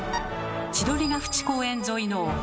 千鳥ヶ淵公園沿いのお濠。